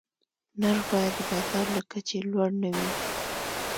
نرخ باید د بازار له کچې لوړ نه وي.